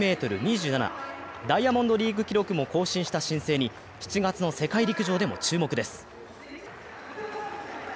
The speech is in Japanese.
ダイヤモンドリーグ記録も更新した新星に７月の世界陸上でも注目です。